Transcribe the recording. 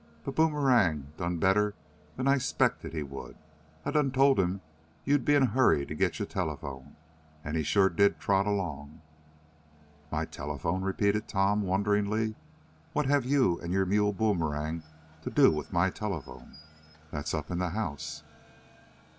"But Boomerang done better dan I 'spected he would. I done tole him yo'd be in a hurry t' git yo' telephone, an' he sho' did trot along." "My telephone?" repeated Tom, wonderingly. "What have you and your mule Boomerang to do with my telephone? That's up in the house."